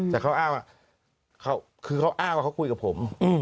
แต่เขาอ้างว่าคือเขาอ้างว่าเขาคุยกับผม